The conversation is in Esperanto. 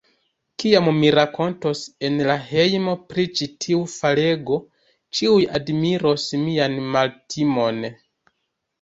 Kiam mi rakontos en la hejmo pri ĉi tiu falego, ĉiuj admiros mian maltimon.